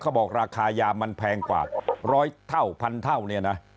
บอกราคายามันแพงกว่าร้อยเท่าพันเท่าเนี่ยนะ